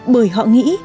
bởi họ nghĩ